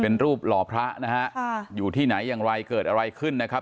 เป็นรูปหล่อพระนะฮะค่ะอยู่ที่ไหนอย่างไรเกิดอะไรขึ้นนะครับ